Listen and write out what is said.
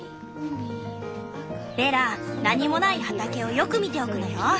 ベラ何もない畑をよく見ておくのよ。